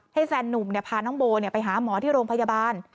แฟนนุ่มพาน้องโบไปหาหมอที่โรงพยาบาล